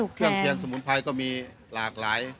เครื่องเคียงสมุนไพรก็มีหลากหลาย